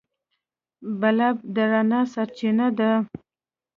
بلب د رڼا سرچینه ده.